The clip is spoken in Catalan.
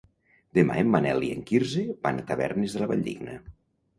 Demà en Manel i en Quirze van a Tavernes de la Valldigna.